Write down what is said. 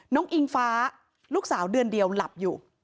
อิงฟ้าลูกสาวเดือนเดียวหลับอยู่